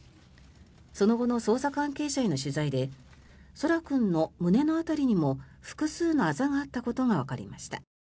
その後の捜査関係者への取材で空来君の胸の辺りにも複数のあざがあったことがわかりました。